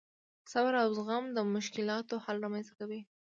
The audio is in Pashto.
صبر او زغم د مشکلاتو حل رامنځته کوي.